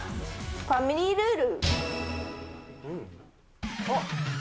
ファミリールール。